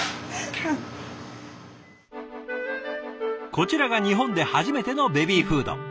こちらが日本で初めてのベビーフード。